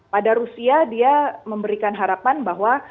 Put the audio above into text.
pada rusia dia memberikan harapan bahwa